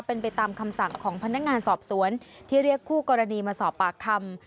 เป็นไปตามคำสั่งของพนักงานสอบสวนที่เรียกคู่กรณีมาสอบปากคำ